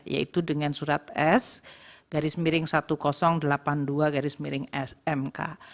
yaitu dengan surat s garis miring seribu delapan puluh dua garis miring smk